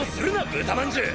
豚まんじゅう！